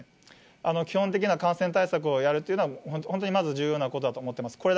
基本的な感染対策をやるというのは、本当にまず重要なことだと思ってます。